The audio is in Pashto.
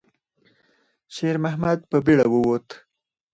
شېرمحمد په بیړه ووت.